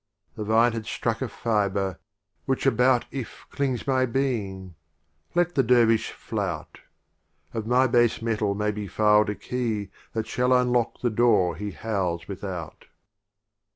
The Vine had struck a fibre : which about If clings my Being — let the Der vish flout; Of my Base metal may be filed a Key, That shall unlock the Door he howls without.